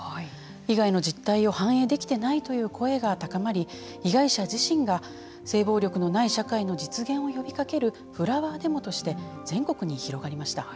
被害の実態を反映できてないという声が高まり、被害者自身が性暴力のない社会の実現を呼びかけるフラワーデモとして全国に広がりました。